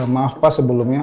maaf pak sebelumnya